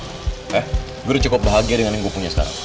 eh gue udah cukup bahagia dengan yang gue punya sekarang